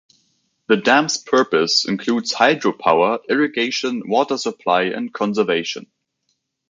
The dam's purpose includes hydro-power, irrigation, water supply, and conservation.